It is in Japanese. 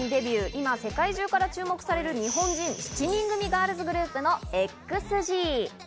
今、世界中から注目される、日本人７人組ガールズグループのＸＧ。